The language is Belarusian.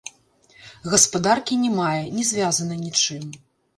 Гаспадаркі не мае, не звязана нічым.